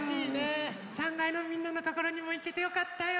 ３がいのみんなのところにもいけてよかったよ。